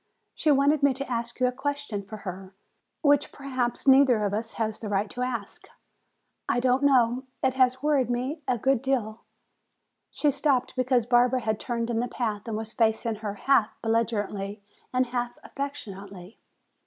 She wanted me to ask you a question for her, which perhaps neither of us has the right to ask. I don't know, it has worried me a good deal " She stopped because Barbara had turned in the path and was facing her half belligerently and half affectionately.